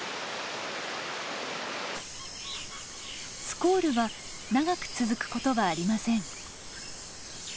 スコールは長く続くことはありません。